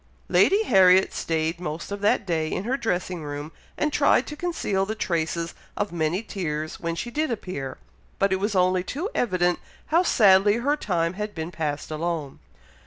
Lady Harriet stayed most of that day in her dressing room, and tried to conceal the traces of many tears when she did appear; but it was only too evident how sadly her time had been passed alone.